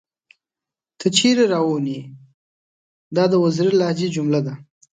تۀ چېرې راوون ئې ؟ دا د وزيري لهجې جمله ده